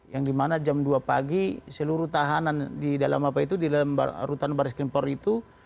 yang dimana jam dua pagi seluruh tahanan di dalam apa itu di dalam rutan baris kempori itu